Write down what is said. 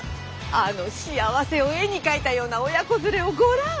あの幸せを絵に描いたような親子連れをごらん。